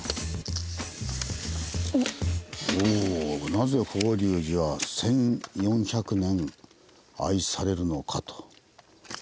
「なぜ法隆寺は１４００年愛されるのか？」